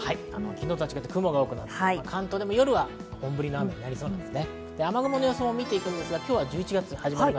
昨日とは違って、雲が多くなって関東では夜に本降りの雨となりそうです。